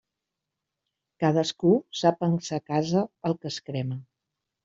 Cadascú sap en sa casa el que es crema.